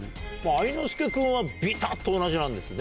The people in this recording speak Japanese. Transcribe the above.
愛之助君はビタっと同じなんですね。